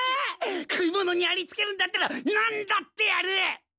食い物にありつけるんだったらなんだってやる！